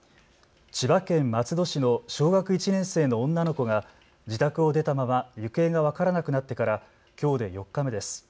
千葉県松戸市の小学１年生の女の子が自宅を出たまま行方が分からなくなってからきょうで４日目です。